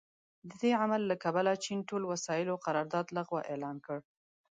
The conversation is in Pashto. د دې عمل له کبله چین ټول وسايلو قرارداد لغوه اعلان کړ.